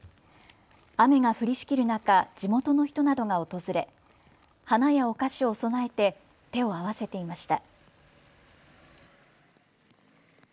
雨が降りしきる中、地元の人などが訪れ花やお菓子を供えて手を合わせていました。